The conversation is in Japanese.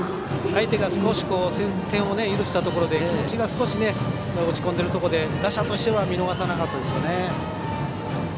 相手が少し点を許したところで気持ちが少し落ち込んでるところで打者としては見逃さなかったですよね。